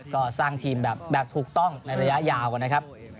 ก็สร้างทีมแบบถูกต้องในระยะยาวนะครับ